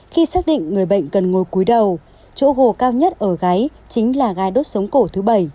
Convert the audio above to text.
khi xác định người bệnh cần ngồi cuối đầu chỗ hồ cao nhất ở gáy chính là gai đốt sống cổ thứ bảy